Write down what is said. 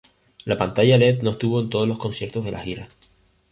La pantalla Led no estuvo en todos los conciertos de la gira.